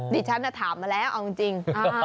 ดิฉันถามมาแล้วเอาจริง